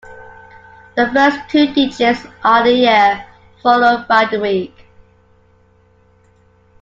The first two digits are the year, followed by the week.